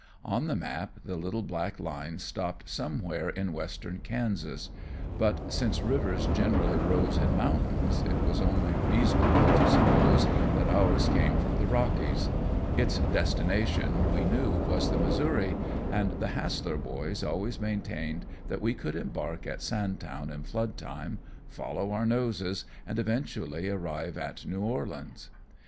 On the map the little black line stopped somewhere in western Kansas; but since rivers generally rose in mountains, it was only reasonable to suppose that ours came from the Rockies. Its destination, we knew, was the Missouri, and the Hassler boys always maintained that we could embark at Sandtown in flood time, follow our noses, and eventually arrive at New Orleans.